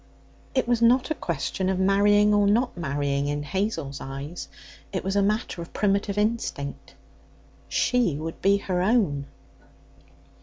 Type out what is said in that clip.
It was not a question of marrying or not marrying in Hazel's eyes. It was a matter of primitive instinct. She would be her own.